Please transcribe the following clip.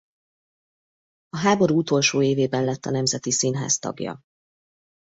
A háború utolsó évében lett a Nemzeti Színház tagja.